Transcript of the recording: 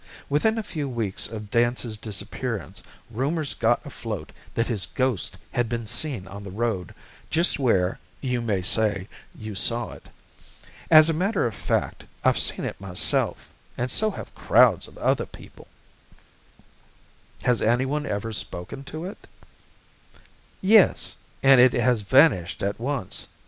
Within a few weeks of Dance's disappearance rumours got afloat that his ghost had been seen on the road, just where, you may say, you saw it. As a matter of fact, I've seen it myself and so have crowds of other people." "Has anyone ever spoken to it?" "Yes and it has vanished at once.